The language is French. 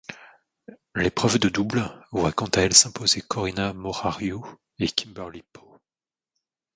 L'épreuve de double voit quant à elle s'imposer Corina Morariu et Kimberly Po.